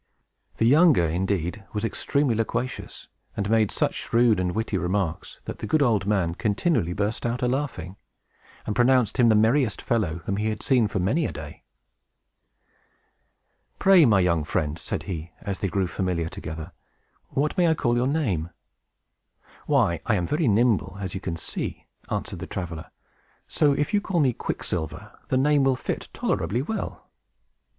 The younger, indeed, was extremely loquacious, and made such shrewd and witty remarks, that the good old man continually burst out a laughing, and pronounced him the merriest fellow whom he had seen for many a day. "Pray, my young friend," said he, as they grew familiar together, "what may I call your name?" "Why, I am very nimble, as you see," answered the traveler. "So, if you call me Quicksilver, the name will fit tolerably well."